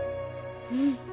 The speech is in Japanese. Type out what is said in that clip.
うん。